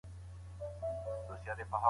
که يو څوک د غضب په حال کي خپلي ميرمني ته ووايي.